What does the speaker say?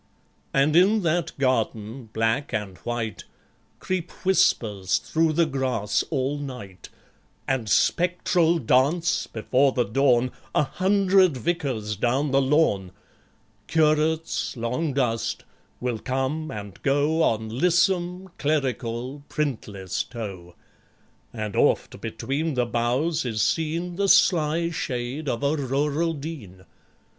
And in that garden, black and white, Creep whispers through the grass all night; And spectral dance, before the dawn, A hundred Vicars down the lawn; Curates, long dust, will come and go On lissom, clerical, printless toe; And oft between the boughs is seen The sly shade of a Rural Dean